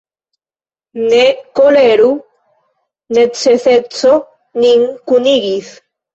Ne koleru: neceseco nin kunigis!